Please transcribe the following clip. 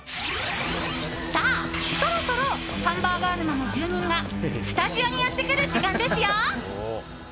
さあ、そろそろハンバーガー沼の住人がスタジオにやってくる時間ですよ！